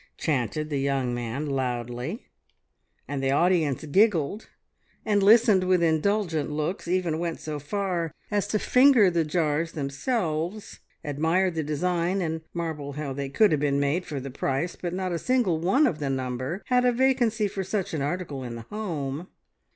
chanted the young man loudly, and the audience giggled, and listened with indulgent looks, even went so far as to finger the jars themselves, admire the design, and marvel how they could have been made for the price, but not a single one of the number had a vacancy for such an article in the home.